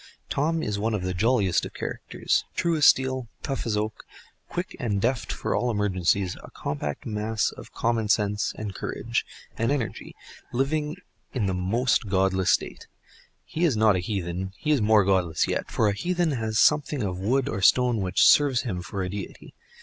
Tom is one of the jolliest of characters, true as steel, tough as oak, quick and deft for all emergencies, a compact mass of common sense, and courage, and energy, living in the most godless state, He is not a heathen—he is more godless yet; for a heathen has something of wood or stone which serves him for a deity.